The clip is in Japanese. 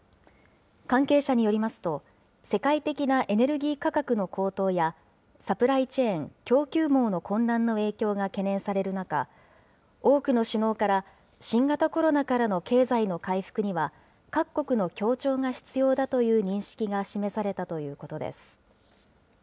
関係者によりますと、世界的なエネルギー価格の高騰や、サプライチェーン・供給網の混乱の影響が懸念される中、多くの首脳から新型コロナからの経済の回復には各国の協調が必要だという認識が示されたということです。